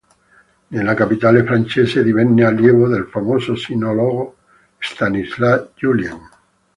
Nella capitale francese divenne allievo del famoso sinologo Stanislas Julien.